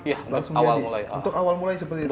untuk awal mulai seperti itu